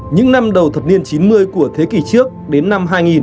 những năm đầu thập niên chín mươi của thế kỷ trước đến năm hai nghìn